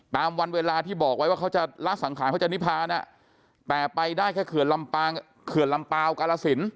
วันเวลาที่บอกไว้ว่าเขาจะละสังขารเขาจะนิพานแต่ไปได้แค่เขื่อนลำเขื่อนลำเปล่ากาลสิน